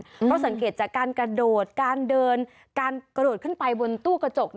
เพราะสังเกตจากการกระโดดการเดินการกระโดดขึ้นไปบนตู้กระจก